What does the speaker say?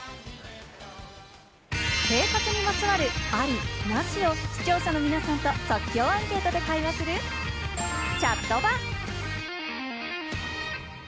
生活にまつわる、あり・なしを視聴者の皆さんと即興アンケートで会話するチャットバ。